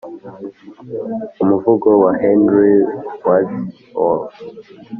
umuvugo wa henry wadsworth